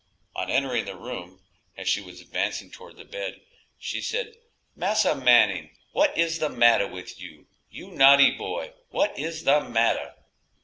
On entering the room, as she was advancing toward the bed, she said, "Massa Manning, what is the matter with you? You naughty boy, what is the matter?"